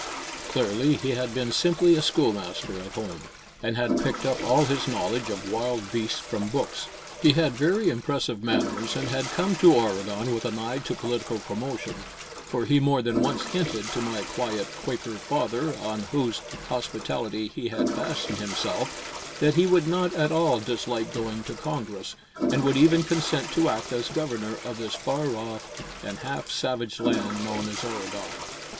Clearly he had been simply a schoolmaster at home, and had picked up all his knowledge of wild beasts from books. He had very impressive manners and had come to Oregon with an eye to political promotion, for he more than once hinted to my quiet Quaker father, on whose hospitality he had fastened himself, that he would not at all dislike going to Congress, and would even consent to act as Governor of this far off and half savage land known as Oregon.